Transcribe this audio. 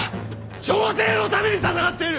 朝廷のために戦っている！